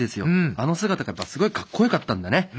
あの姿がすごいかっこよかったんだね。